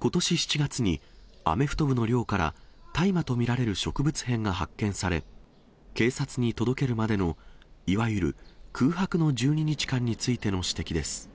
ことし７月に、アメフト部の寮から大麻と見られる植物片が発見され、警察に届けるまでの、いわゆる空白の１２日間についての指摘です。